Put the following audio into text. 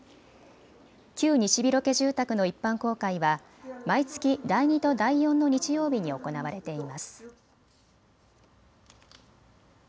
旧西廣家住宅の一般公開は毎月第２と第４の日曜日に行われています。